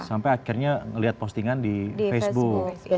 sampai akhirnya ngelihat postingan di facebook